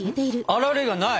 あられがない！